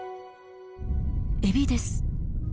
エビです。